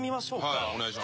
はいお願いします。